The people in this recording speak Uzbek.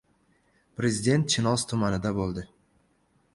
Prezident Chinoz tumanida bo‘ldi